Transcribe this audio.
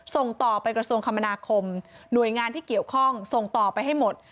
ส่งต่อไปกระทรวงคมนาคมหน่วยงานที่เกี่ยวข้องส่งต่อไปให้หมด